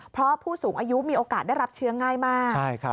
เพราะผู้สูงอายุมีโอกาสได้รับเชื้อง่ายมาก